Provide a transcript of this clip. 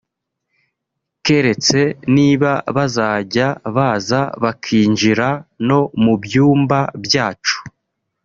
Keretse niba bazajya baza bakinjira no mu byumba byacu